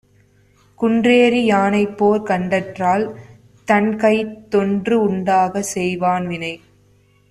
குன்றேறி யானைப்போர் கண்டற்றால், தன்கைத்தொன்று உண்டாகச் செய்வான் வினை.